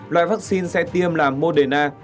loại vaccine sẽ tiêm là moderna